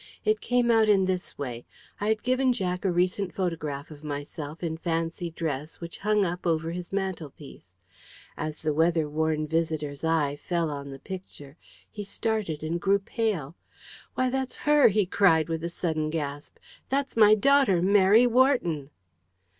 It came out in this way. I had given Jack a recent photograph of myself in fancy dress, which hung up over his mantelpiece. As the weather worn visitor's eye fell on the picture, he started and grew pale. "Why, that's her!" he cried with a sudden gasp. "That's my daughter Mary Wharton!"